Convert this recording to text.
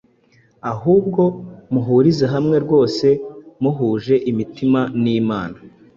ahubwo muhurize hamwe rwose muhuje imitima n’inama